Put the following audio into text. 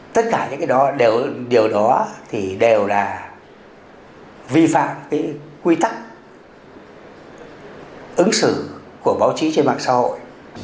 tất cả những điều đó thì đều là vi phạm cái quy tắc ứng xử của báo chí trên mạng xã hội